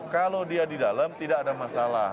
kalau dia di dalam tidak ada masalah